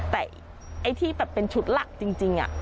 แต่ไอ้ที่แบบเป็นชุดหลักจริง